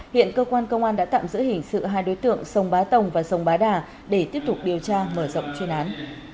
hiện cơ quan công an đã tạm giữ hình sự hai đối tượng sông bá tồng và sông bá đà để tiếp tục điều tra mở rộng chuyên án